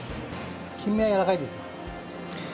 キンメはやわらかいです。